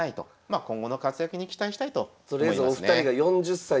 今後の活躍に期待したいと思いますね。